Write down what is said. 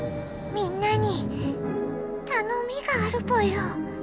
みんなにたのみがあるぽよ」。